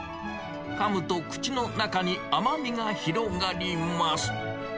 かむと口の中に甘みが広がります。